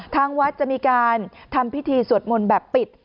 ทางวัดจะมีการทำพิธีสวดมนต์แบบปิด